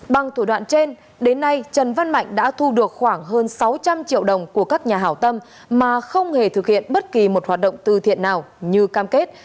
bằng thủ đoạn trên đến nay trần văn mạnh đã thu được khoảng hơn sáu trăm linh triệu đồng của các nhà hảo tâm mà không hề thực hiện bất kỳ một hoạt động tư thiện nào như cam kết